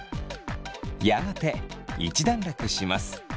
やがて一段落します。